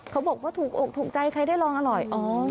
เขาบอกว่าถูกอกถูกใจใครได้ลองอร่อย